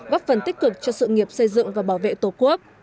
góp phần tích cực cho sự nghiệp xây dựng và bảo vệ tổ quốc